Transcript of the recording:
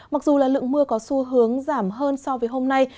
mặc dù là lượng mưa có xu hướng giảm hơn so với hôm nay